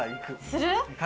する？